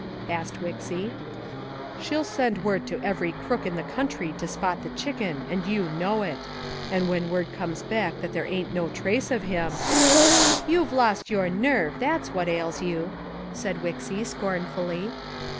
asked Wixy. "She'll send word to every crook in the country to spot the Chicken, and you know it. And when word comes back that there ain't no trace of him " "You've lost your nerve, that's what ails you," said Wixy scornfully.